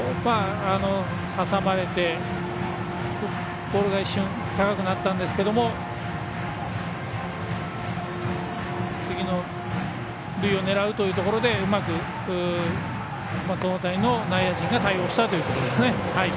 挟まれてボールが一瞬高くなったんですが次の塁を狙うというところでうまく小松大谷の内野陣が対応したというところですね。